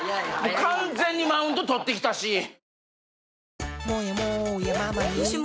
完全にマウントとってきたし。